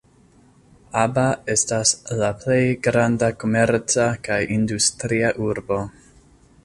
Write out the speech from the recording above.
Aba estas la plej granda komerca kaj industria urbo.